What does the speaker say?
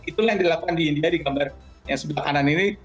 itulah yang dilakukan di india di gambar yang sebelah kanan ini